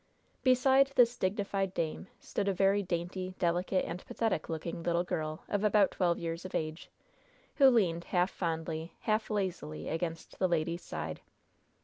Beside this dignified dame stood a very dainty, delicate and pathetic looking little girl of about twelve years of age, who leaned half fondly, half lazily against the lady's side.